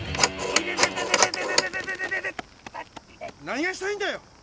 何がしたいんだよ！